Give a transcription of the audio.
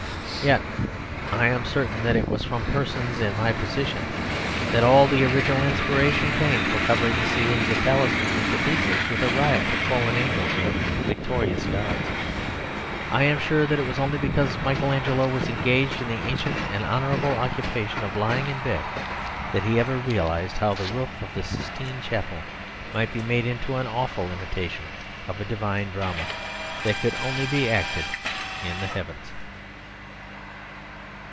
Yet I am certain that it was from persons in my position that all the original inspiration came for covering the ceilings of palaces and cathedrals with a riot of fallen angels or victorious gods. I am sure that it was only because Michael Angelo was engaged in the ancient and honourable occupation of lying in bed that he ever realized how the roof of the Sistine Chapel might be made into an awful imitation of a divine drama that could only be acted in the heavens.